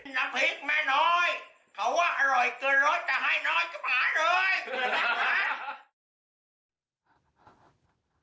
น้ำพริกแม่น้อยเขาว่าอร่อยเกินรสจะให้น้อยกว่าเลย